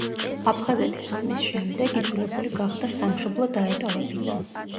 აფხაზეთის ომის შემდეგ იძულებული გახდა სამშობლო დაეტოვებინა.